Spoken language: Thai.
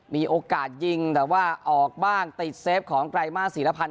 มีโอกาสยิงแต่ว่าออกบ้างติดเซฟของไตรมาสศิลพันธ